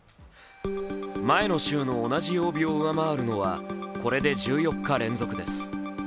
前の週の同じ曜日を上回るのはこれで１４日連続です。